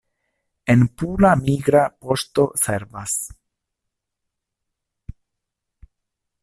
En Pula migra poŝto servas.